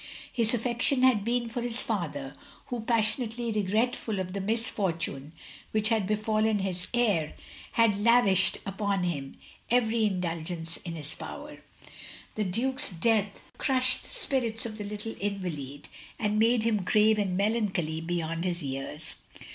His affection had been for his father, who, passionately regretful of the misfortune which had befallen his heir, had lavished upon him every indulgence in his power. The Duke's death had crushed the spirits of the little invaUd, and made him grave and melancholy beyond his years.